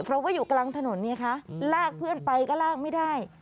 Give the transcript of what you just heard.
เพราะว่าอยู่กลางถนนไงคะลากเพื่อนไปก็ลากไม่ได้